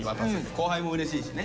後輩もうれしいしね。